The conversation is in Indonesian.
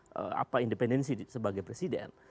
tidak punya apa independensi sebagai presiden